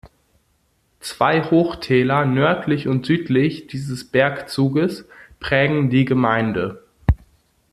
Zwei Hochtäler nördlich und südlich dieses Bergzuges prägen die Gemeinde.